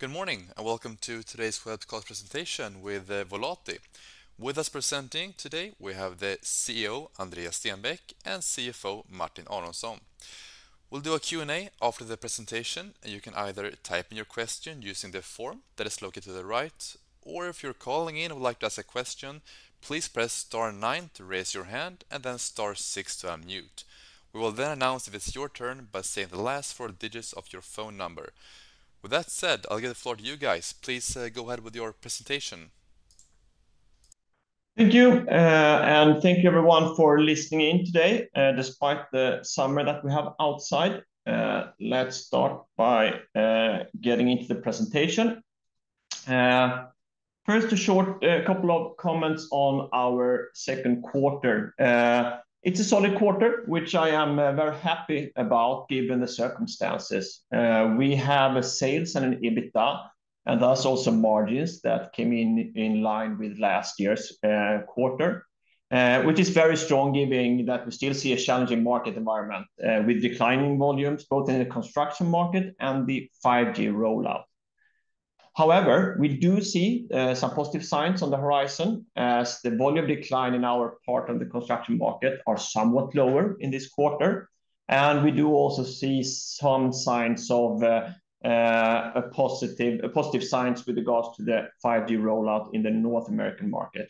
Good morning, and welcome to today's webcast presentation with Volati. With us presenting today, we have the CEO, Andreas Stenbäck, and CFO, Martin Aronsson. We'll do a Q&A after the presentation, and you can either type in your question using the form that is located to the right, or if you're calling in and would like to ask a question, please press star nine to raise your hand and then star six to unmute. We will then announce if it's your turn by saying the last four digits of your phone number. With that said, I'll give the floor to you guys. Please go ahead with your presentation. Thank you, and thank you everyone for listening in today, despite the summer that we have outside. Let's start by getting into the presentation. First, a short couple of comments on our second quarter. It's a solid quarter, which I am very happy about given the circumstances. We have a sales and an EBITDA, and thus also margins that came in in line with last year's quarter. Which is very strong, giving that we still see a challenging market environment with declining volumes both in the construction market and the 5G rollout. However, we do see some positive signs on the horizon as the volume decline in our part of the construction market are somewhat lower in this quarter, and we do also see some signs of positive signs with regards to the 5G rollout in the North American market.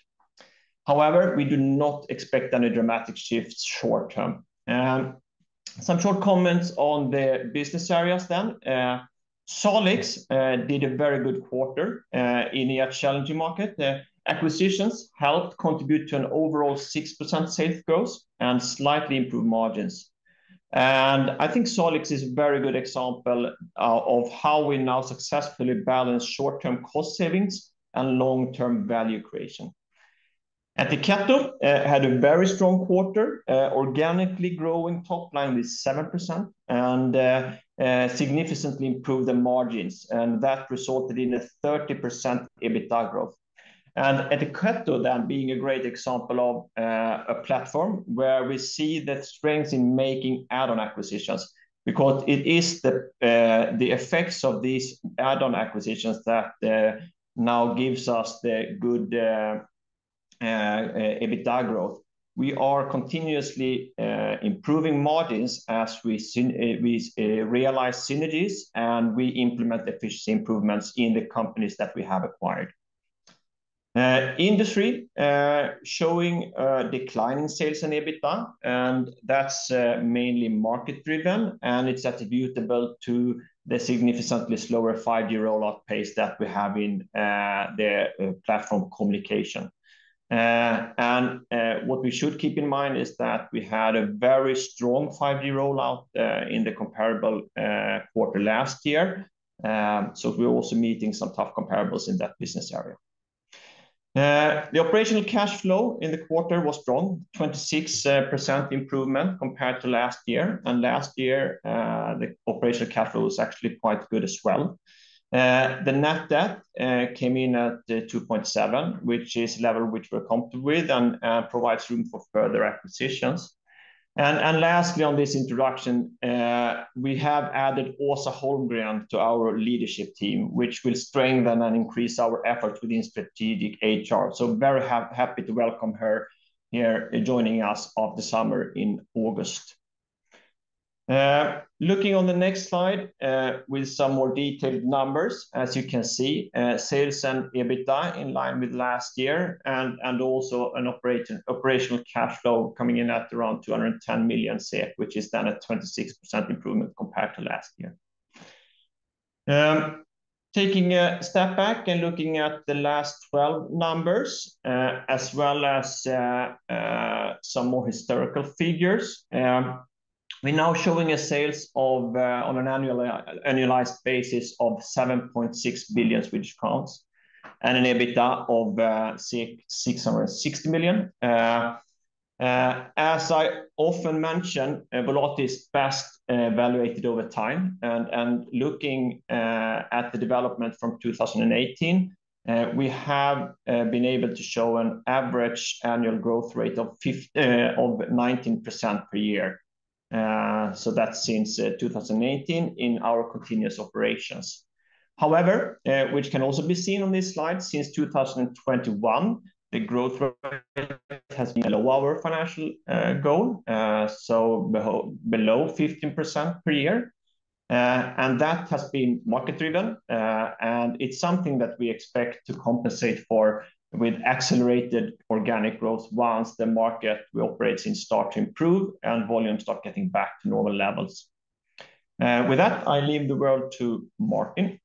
However, we do not expect any dramatic shifts short term. Some short comments on the business areas then. Solix did a very good quarter in a challenging market. The acquisitions helped contribute to an overall 6% sales growth and slightly improved margins. And I think Solix is a very good example of how we now successfully balance short-term cost savings and long-term value creation. Etteplan had a very strong quarter, organically growing top line with 7%, and significantly improved the margins, and that resulted in a 30% EBITDA growth. Etteplan then being a great example of a platform where we see the strength in making add-on acquisitions, because it is the effects of these add-on acquisitions that now gives us the good EBITDA growth. We are continuously improving margins as we realize synergies, and we implement efficiency improvements in the companies that we have acquired. Industry showing decline in sales and EBITDA, and that's mainly market driven, and it's attributable to the significantly slower 5-year rollout pace that we have in the platform communication. What we should keep in mind is that we had a very strong five-year rollout in the comparable quarter last year. So we're also meeting some tough comparables in that business area. The operational cash flow in the quarter was strong, 26% improvement compared to last year, and last year the operational cash flow was actually quite good as well. The net debt came in at 2.7, which is level which we're comfortable with and provides room for further acquisitions. Lastly, on this introduction, we have added Åsa Holmgren to our leadership team, which will strengthen and increase our efforts within strategic HR. So very happy to welcome her here, joining us over the summer in August. Looking on the next slide with some more detailed numbers. As you can see, sales and EBITDA in line with last year and also an operational cash flow coming in at around 210 million SEK, which is then a 26% improvement compared to last year. Taking a step back and looking at the last twelve numbers, as well as some more historical figures, we're now showing a sales of on an annualized basis of 7.6 billion Swedish crowns and an EBITDA of 660 million. As I often mention, Volati is best evaluated over time. And looking at the development from 2018, we have been able to show an average annual growth rate of 19% per year. So that's since 2018 in our continuous operations. However, which can also be seen on this slide, since 2021, the growth rate has been below our financial goal, so below 15% per year. And that has been market driven, and it's something that we expect to compensate for with accelerated organic growth once the market we operate in start to improve and volumes start getting back to normal levels. With that, I leave the word to Martin.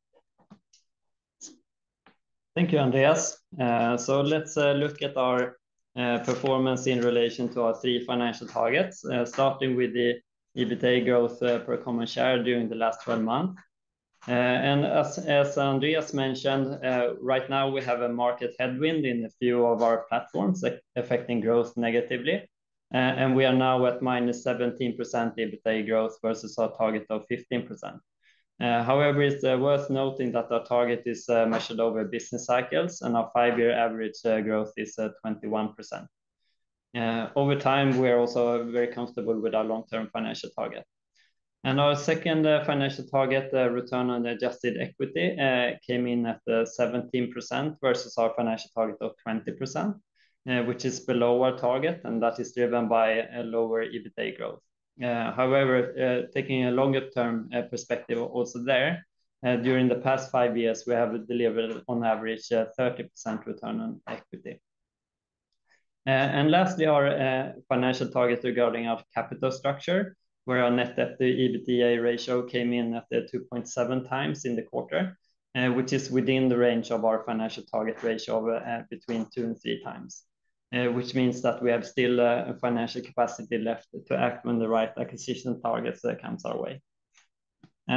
Thank you, Andreas. Let's look at our performance in relation to our three financial targets, starting with the EBITDA growth per common share during the last 12 months. As Andreas mentioned, right now we have a market headwind in a few of our platforms, affecting growth negatively, and we are now at -17% EBITDA growth versus our target of 15%. However, it's worth noting that our target is measured over business cycles, and our five-year average growth is at 21%... over time, we are also very comfortable with our long-term financial target. Our second financial target, Return on Adjusted Equity, came in at 17% versus our financial target of 20%, which is below our target, and that is driven by a lower EBITDA growth. However, taking a longer-term perspective also there, during the past five years, we have delivered on average 30% return on equity. Lastly, our financial target regarding our capital structure, where our net debt to EBITDA ratio came in at 2.7 times in the quarter, which is within the range of our financial target ratio of between 2-3 times. Which means that we have still a financial capacity left to act when the right acquisition targets comes our way.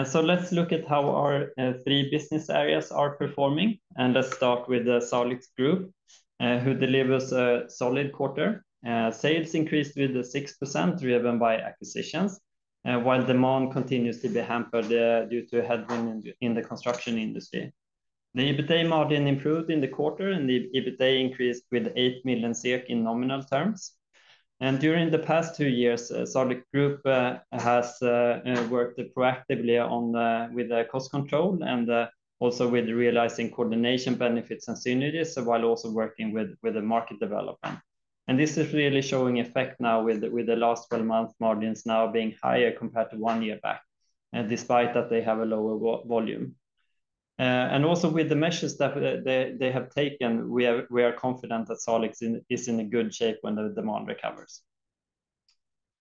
So let's look at how our three business areas are performing, and let's start with the Salix Group, who delivers a solid quarter. Sales increased with 6% driven by acquisitions, while demand continues to be hampered due to headwind in the construction industry. The EBITDA margin improved in the quarter, and the EBITDA increased with 8 million SEK in nominal terms. And during the past two years, Salix Group has worked proactively on with the cost control and also with realizing coordination benefits and synergies, while also working with the market development. This is really showing effect now with the last 12-month margins now being higher compared to one year back, and despite that they have a lower volume. Also with the measures that they have taken, we are confident that Salix is in a good shape when the demand recovers.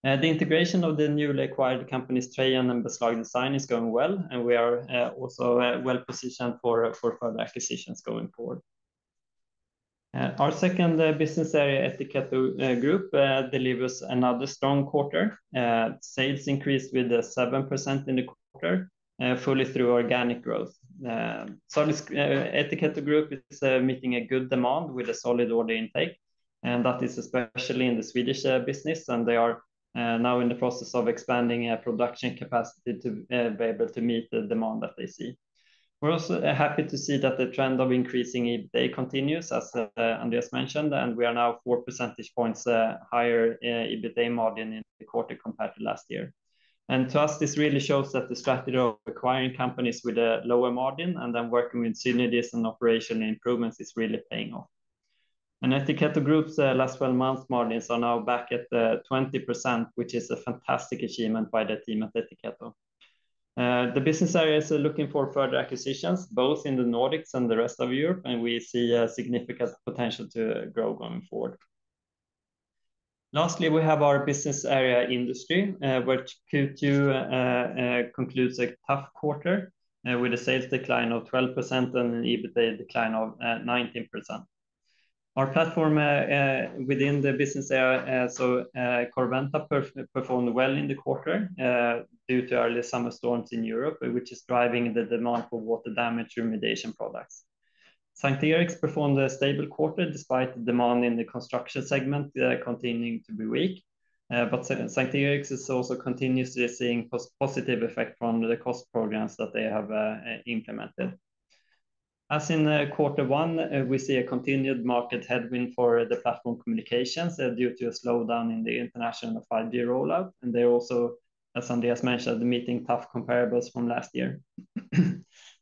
The integration of the newly acquired companies, T-Emballage and Beslag Design, is going well, and we are also well-positioned for further acquisitions going forward. Our second business area, Ettiketto Group, delivers another strong quarter. Sales increased with 7% in the quarter, fully through organic growth. Ettiketto Group is meeting a good demand with a solid order intake, and that is especially in the Swedish business. They are now in the process of expanding a production capacity to be able to meet the demand that they see. We're also happy to see that the trend of increasing EBITDA continues, as Andreas mentioned, and we are now four percentage points higher EBITDA margin in the quarter compared to last year. To us, this really shows that the strategy of acquiring companies with a lower margin, and then working with synergies and operational improvements, is really paying off. Ettiketto Group's last 12-month margins are now back at 20%, which is a fantastic achievement by the team at Ettiketto. The business area is looking for further acquisitions, both in the Nordics and the rest of Europe, and we see a significant potential to grow going forward. Lastly, we have our business area Industry, which Q2 concludes a tough quarter, with a sales decline of 12% and an EBITDA decline of 19%. Our platform within the business area, so, Corroventa performed well in the quarter, due to early summer storms in Europe, which is driving the demand for water damage remediation products. S:t Eriks performed a stable quarter, despite the demand in the construction segment continuing to be weak. But S:t Eriks is also continuously seeing positive effect from the cost programs that they have implemented. As in quarter one, we see a continued market headwind for the platform Communication, due to a slowdown in the international 5G rollout. And they also, as Andreas mentioned, meeting tough comparables from last year.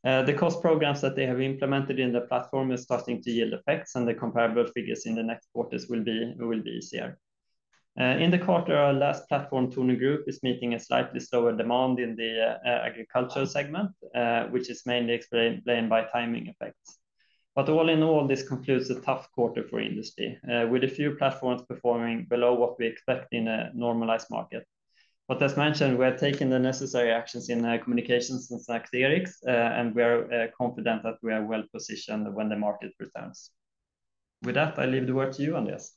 The cost programs that they have implemented in the platform is starting to yield effects, and the comparable figures in the next quarters will be easier. In the quarter, our last platform, Tornum Group, is meeting a slightly slower demand in the agricultural segment, which is mainly explained by timing effects. But all in all, this concludes a tough quarter for industry with a few platforms performing below what we expect in a normalized market. But as mentioned, we are taking the necessary actions in Communication and S:t Eriks, and we are confident that we are well-positioned when the market returns. With that, I leave the word to you, Andreas.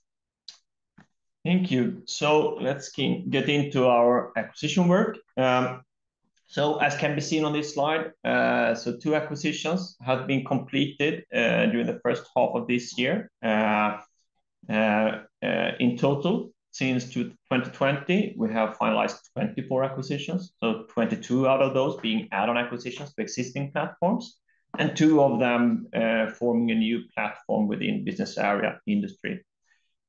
Thank you. So let's get into our acquisition work. As can be seen on this slide, two acquisitions have been completed during the first half of this year. In total, since 2020, we have finalized 24 acquisitions, so 22 out of those being add-on acquisitions to existing platforms, and two of them forming a new platform within business area industry.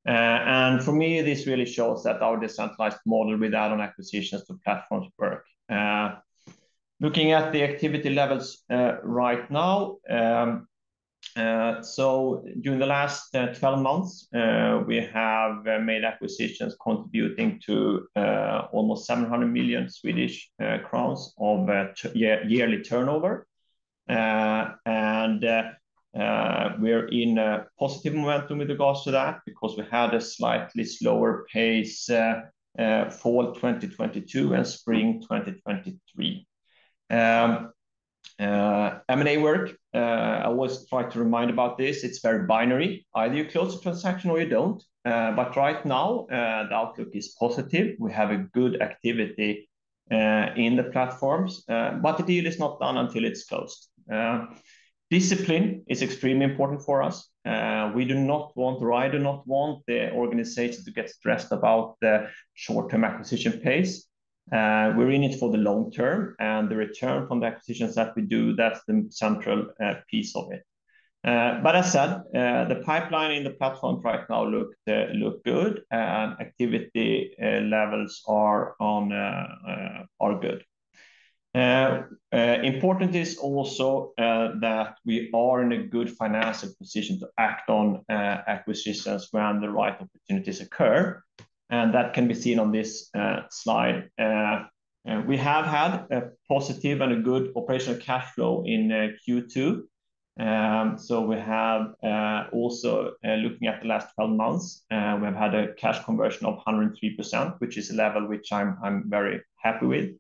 And for me, this really shows that our decentralized model with add-on acquisitions to platforms work. Looking at the activity levels right now, during the last 12 months, we have made acquisitions contributing to almost SEK 700 million of yearly turnover. We are in a positive momentum with regards to that, because we had a slightly slower pace fall 2022 and spring 2023. M&A work, I always try to remind about this, it's very binary. Either you close the transaction or you don't. But right now, the outlook is positive. We have a good activity in the platforms, but the deal is not done until it's closed. Discipline is extremely important for us. We do not want, or I do not want the organization to get stressed about the short-term acquisition pace. We're in it for the long term, and the return from the acquisitions that we do, that's the central piece of it. But as said, the pipeline in the platform right now look good, and activity levels are good. Important is also that we are in a good financial position to act on acquisitions when the right opportunities occur, and that can be seen on this slide. We have had a positive and a good operational cash flow in Q2. So we have also, looking at the last twelve months, we've had a cash conversion of 103%, which is a level which I'm very happy with.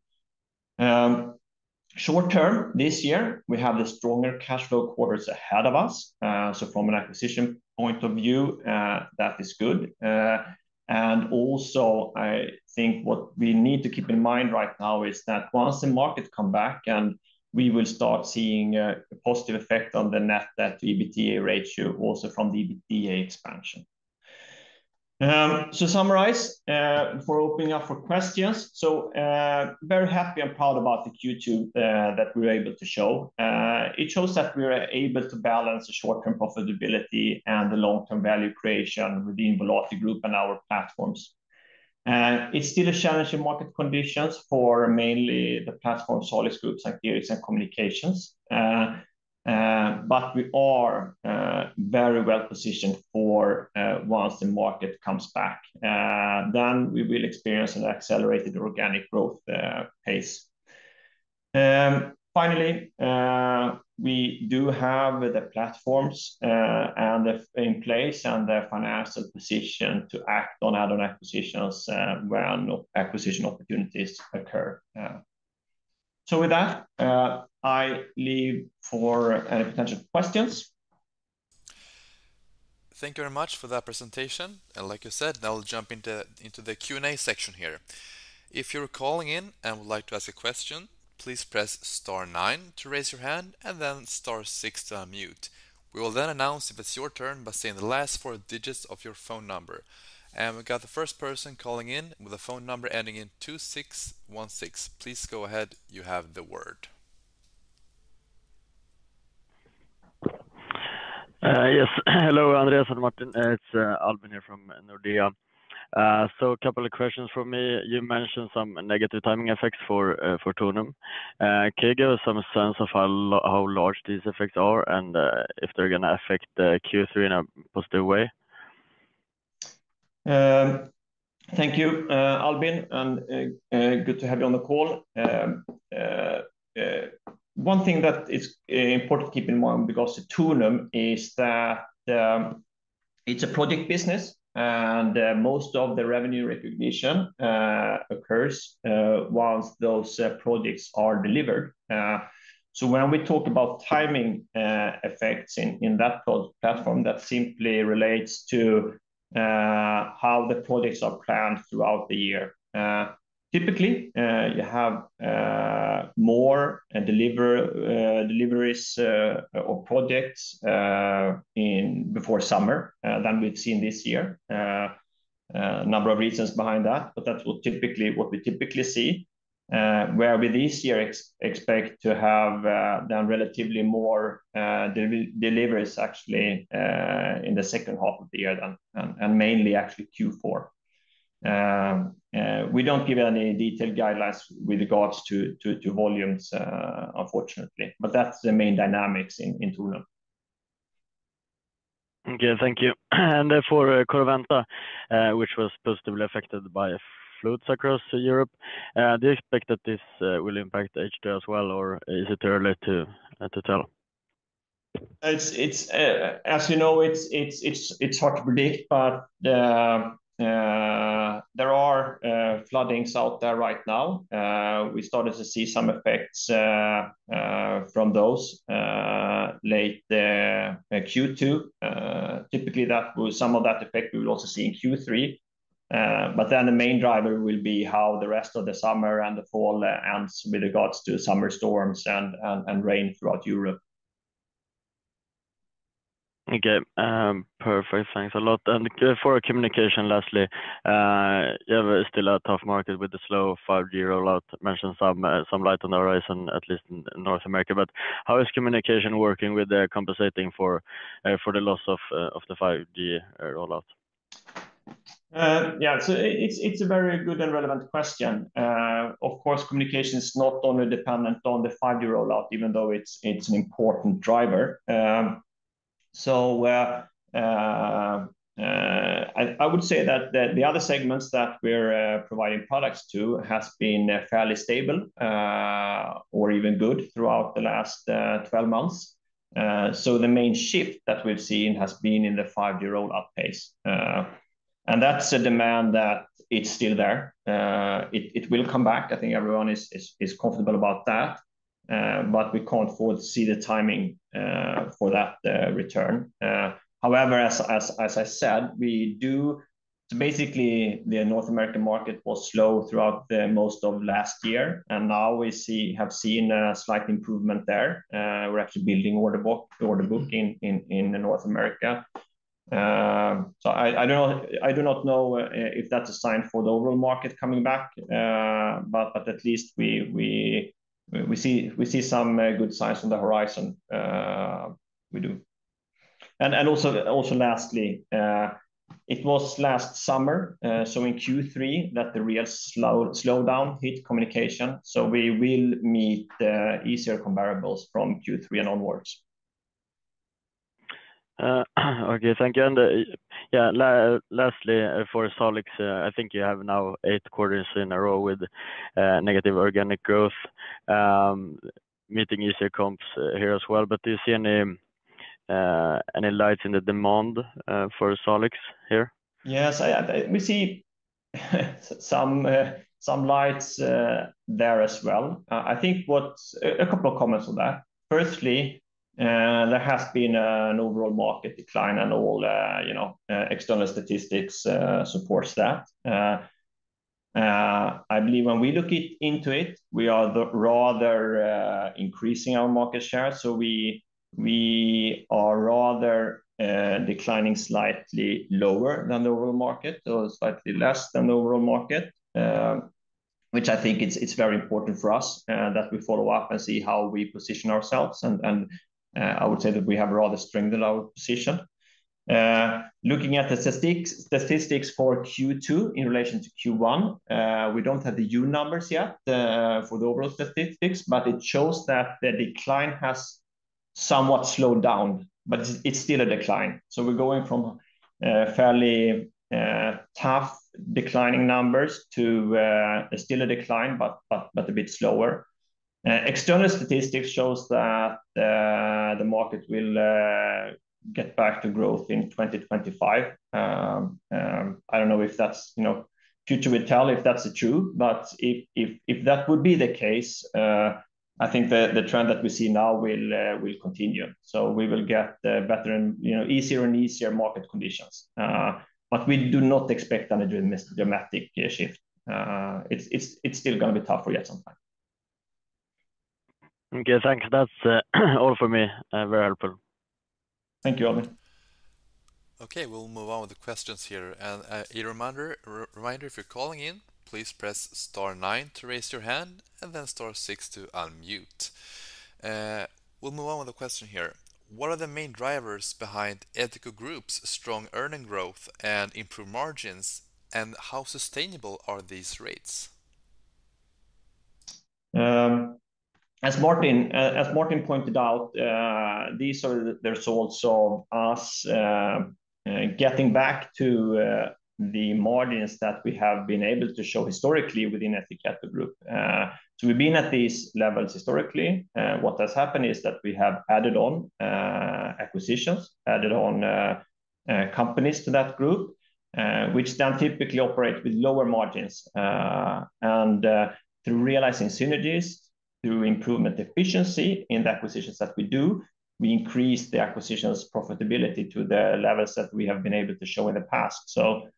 Short term, this year, we have the stronger cash flow quarters ahead of us. So from an acquisition point of view, that is good. And also, I think what we need to keep in mind right now is that once the market come back and we will start seeing a positive effect on the net debt to EBITDA ratio, also from the M&A expansion. So summarize before opening up for questions. So, very happy and proud about the Q2 that we were able to show. It shows that we are able to balance the short-term profitability and the long-term value creation within Volati and our platforms. It's still a challenging market conditions for mainly the platform Salix Group, like Geox and Communication. But we are very well positioned for once the market comes back, then we will experience an accelerated organic growth pace. Finally, we do have the platforms and in place, and the financial position to act on add-on acquisitions, where no acquisition opportunities occur. So with that, I leave for any potential questions. Thank you very much for that presentation. Like you said, now we'll jump into the Q&A section here. If you're calling in and would like to ask a question, please press star nine to raise your hand, and then star six to unmute. We will then announce if it's your turn by saying the last four digits of your phone number. We've got the first person calling in with a phone number ending in 2616. Please go ahead. You have the word. Yes. Hello, Andreas and Martin. It's Albin here from Nordea. So a couple of questions from me. You mentioned some negative timing effects for Tornum. Can you give us some sense of how large these effects are, and if they're gonna affect the Q3 in a positive way? Thank you, Albin, and good to have you on the call. One thing that is important to keep in mind, because the Tornum is that, it's a project business, and most of the revenue recognition occurs once those projects are delivered. So when we talk about timing effects in that platform, that simply relates to how the projects are planned throughout the year. Typically, you have more deliveries or projects before summer than we've seen this year. Number of reasons behind that, but that's what we typically see, whereas with this year, expect to have done relatively more deliveries, actually, in the second half of the year than... And mainly actually Q4. We don't give any detailed guidelines with regards to volumes, unfortunately, but that's the main dynamics in Tornum. Okay, thank you. For Corroventa, which was positively affected by floods across Europe, do you expect that this will impact H2 as well, or is it too early to tell? It's hard to predict, as you know, but there are floodings out there right now. We started to see some effects from those late Q2. Typically, that will, some of that effect we will also see in Q3. But then the main driver will be how the rest of the summer and the fall ends with regards to summer storms and rain throughout Europe. Okay, perfect. Thanks a lot. And for Communication, lastly, you have still a tough market with the slow 5G rollout. Mentioned some light on the horizon, at least in North America. But how is Communication working with compensating for the loss of the 5G rollout? Yeah, so it's a very good and relevant question. Of course, Communication is not only dependent on the 5G rollout, even though it's an important driver. So, I would say that the other segments that we're providing products to has been fairly stable, or even good throughout the last 12 months. So the main shift that we've seen has been in the 5G rollout pace. And that's a demand that's still there. It will come back. I think everyone is comfortable about that, but we can't foresee the timing for that return. However, as I said, we do... Basically, the North American market was slow throughout most of last year, and now we have seen a slight improvement there. We're actually building order book in North America. So I don't know if that's a sign for the overall market coming back. But at least we see some good signs on the horizon. We do. And also lastly, it was last summer, so in Q3, that the real slowdown hit communication, so we will meet the easier comparables from Q3 and onwards. Okay, thank you. And lastly, for Solix, I think you have now 8 quarters in a row with negative organic growth, meeting easier comps here as well. But do you see any lights in the demand for Solix here? Yes, I, we see some lights there as well. I think a couple of comments on that. Firstly, there has been an overall market decline, and all, you know, external statistics supports that. I believe when we look into it, we are rather increasing our market share. So we are rather declining slightly lower than the overall market or slightly less than the overall market, which I think it's very important for us that we follow up and see how we position ourselves. And I would say that we have rather strengthened our position. Looking at the statistics, statistics for Q2 in relation to Q1, we don't have the U numbers yet, the, for the overall statistics, but it shows that the decline has somewhat slowed down, but it's, it's still a decline. So we're going from, fairly, tough declining numbers to, still a decline, but, but, but a bit slower. External statistics shows that, the market will, get back to growth in 2025. I don't know if that's, you know, future will tell if that's true, but if, if, if that would be the case, I think the, the trend that we see now will, will continue. So we will get, better and, you know, easier and easier market conditions. But we do not expect any dramatic shift. It's still gonna be tougher yet sometime. Okay, thanks. That's all for me. Very helpful. Thank you, Albin. Okay, we'll move on with the questions here. And, a reminder, if you're calling in, please press star nine to raise your hand, and then star six to unmute. We'll move on with the question here: What are the main drivers behind Ettiketto Group's strong earnings growth and improved margins, and how sustainable are these rates? As Martin pointed out, there's also us getting back to the margins that we have been able to show historically within Ettiketto Group. So we've been at these levels historically. What has happened is that we have added on acquisitions, added on companies to that group, which then typically operate with lower margins, and through realizing synergies, through improvement efficiency in the acquisitions that we do, we increase the acquisition's profitability to the levels that we have been able to show in the past. So,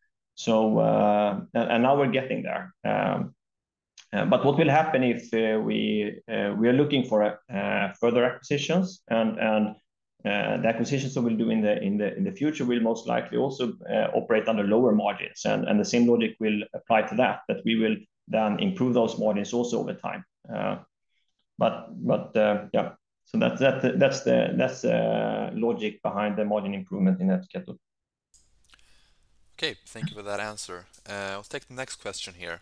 and now we're getting there. But what will happen if we are looking for further acquisitions, and the acquisitions that we'll do in the future will most likely also operate under lower margins, and the same logic will apply to that that we will then improve those margins also over time. But yeah, so that's the logic behind the margin improvement in Ettiketto. Okay, thank you for that answer. I'll take the next question here.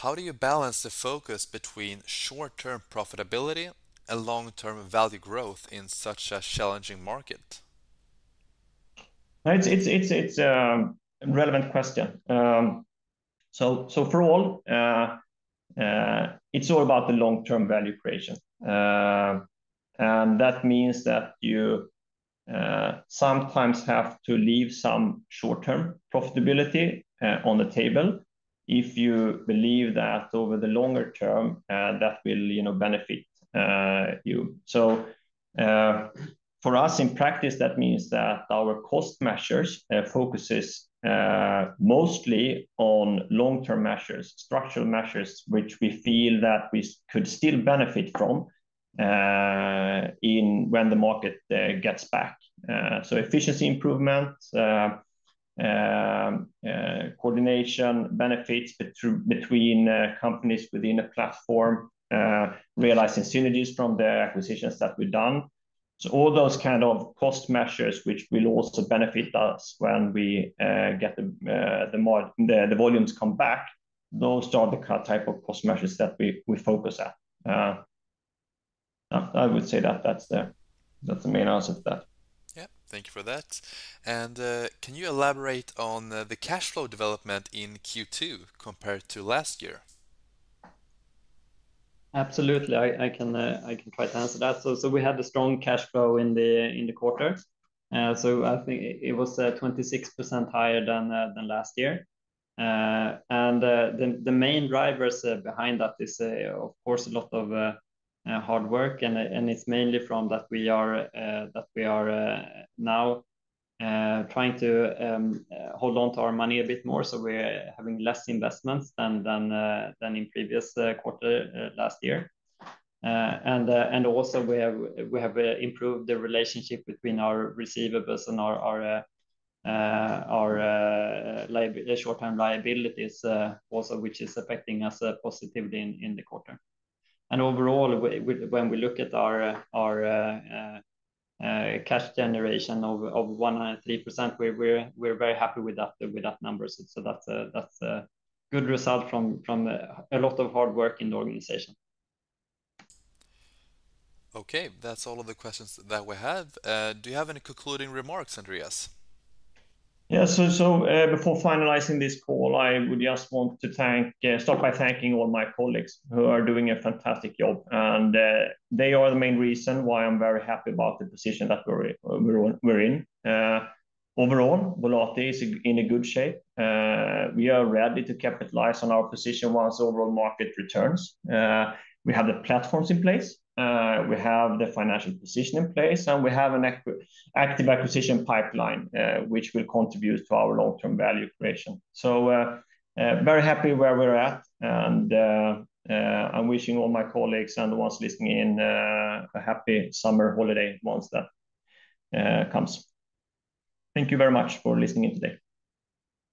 How do you balance the focus between short-term profitability and long-term value growth in such a challenging market? It's a relevant question. So for all, it's all about the long-term value creation. And that means that you sometimes have to leave some short-term profitability on the table if you believe that over the longer term that will, you know, benefit you. So for us in practice, that means that our cost measures focuses mostly on long-term measures, structural measures, which we feel that we could still benefit from in when the market gets back. So efficiency improvement, coordination benefits between companies within a platform, realizing synergies from the acquisitions that we've done. So all those kind of cost measures, which will also benefit us when we get the volumes come back, those are the type of cost measures that we focus at. I would say that that's the main answer to that. Yeah. Thank you for that. Can you elaborate on the cash flow development in Q2 compared to last year? Absolutely. I can try to answer that. So we had a strong cash flow in the quarter. So I think it was 26% higher than last year. And the main drivers behind that is, of course, a lot of hard work, and it's mainly from that we are now trying to hold on to our money a bit more. So we're having less investments than in previous quarter last year. And also we have improved the relationship between our receivables and our short-term liabilities, also, which is affecting us positively in the quarter. And overall, when we look at our cash generation of 103%, we're very happy with that number. So that's a good result from a lot of hard work in the organization. Okay, that's all of the questions that we have. Do you have any concluding remarks, Andreas? Yeah. So, before finalizing this call, I would just want to thank, start by thanking all my colleagues who are doing a fantastic job, and they are the main reason why I'm very happy about the position that we're in. Overall, Volati is in a good shape. We are ready to capitalize on our position once overall market returns. We have the platforms in place, we have the financial position in place, and we have an active acquisition pipeline, which will contribute to our long-term value creation. So, very happy where we're at, and I'm wishing all my colleagues and the ones listening in, a happy summer holiday once that comes. Thank you very much for listening in today.